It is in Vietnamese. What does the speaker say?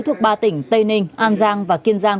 thuộc ba tỉnh tây ninh an giang và kiên giang